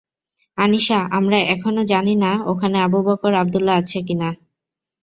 আনিশা, আমরা এখনও জানি না ওখানে আবু বকর আবদুল্লাহ আছে কি না।